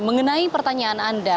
mengenai pertanyaan anda